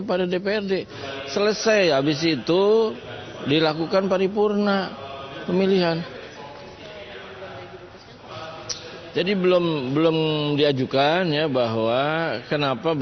partai pks mengusulkan satu nama